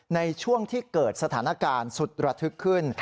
ในช่วงที่เกิดสถานการณ์สุดระทึกขึ้น